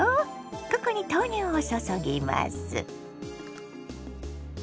ここに豆乳を注ぎます。